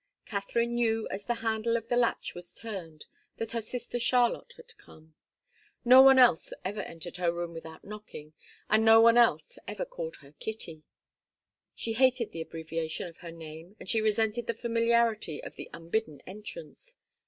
Katharine knew as the handle of the latch was turned that her sister Charlotte had come. No one else ever entered her room without knocking, and no one else ever called her 'Kitty.' She hated the abbreviation of her name and she resented the familiarity of the unbidden entrance.